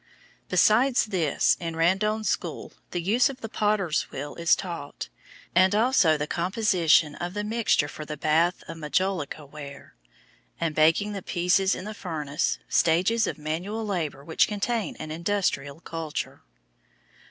Besides this, in Randone's school the use of the potter's wheel is taught, and also the composition of the mixture for the bath of majolica ware, and baking the pieces in the furnace, stages of manual labour which contain an industrial culture.